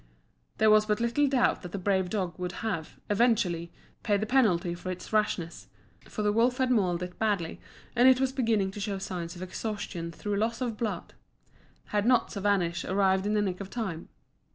There was but little doubt that the brave dog would have, eventually, paid the penalty for its rashness for the wolf had mauled it badly, and it was beginning to show signs of exhaustion through loss of blood had not Savanich arrived in the nick of time.